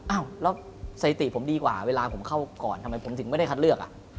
อ้าวแล้วสถิติผมดีกว่าเวลาผมเข้าก่อนทำไมผมถึงไม่ได้คัดเลือก